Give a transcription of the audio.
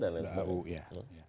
dan lain sebagainya